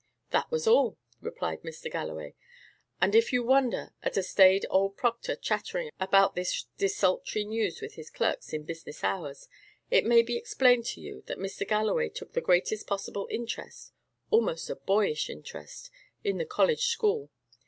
"That was all," replied Mr. Galloway. And if you wonder at a staid old proctor chattering about this desultory news with his clerks in business hours, it may be explained to you that Mr. Galloway took the greatest possible interest, almost a boyish interest, in the college school.